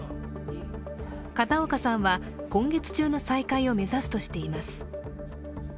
片岡さんは、今月中の再開を目指すとしています。